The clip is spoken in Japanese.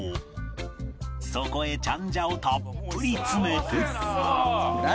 そこへチャンジャをたっぷり詰めて